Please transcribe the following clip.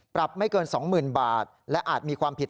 ปรับไม่เกิน๒๐๐๐บาทและอาจมีความผิด